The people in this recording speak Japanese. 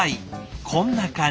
こんな感じで。